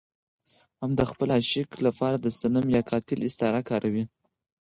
هم د خپل عاشق لپاره د صنم يا قاتل استعاره کاروي.